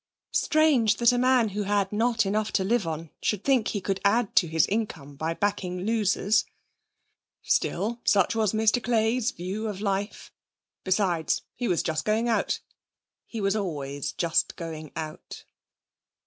Strange that a man who had not enough to live on should think he could add to his income by backing losers. Still, such was Mr Clay's view of life. Besides, he was just going out; he was always just going out.